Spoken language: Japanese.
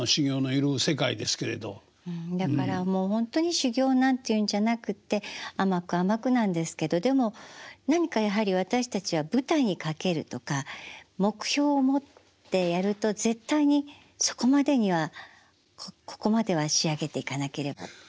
だからもう本当に修業なんていうんじゃなくて甘く甘くなんですけどでも何かやはり私たちは舞台にかけるとか目標を持ってやると絶対にそこまでにはここまでは仕上げていかなければっていうのが。